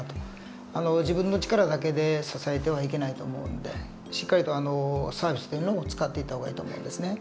自分の力だけで支えてはいけないと思うんでしっかりとサービスというのも使っていった方がいいと思うんですね。